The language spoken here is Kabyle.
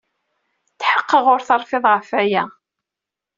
Tḥeqqeɣ ur terfiḍ ɣef waya.